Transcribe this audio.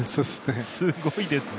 すごいですね。